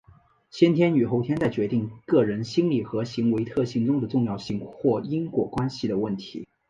先天与后天在决定个人心理和行为特性中的重要性或因果关系的问题。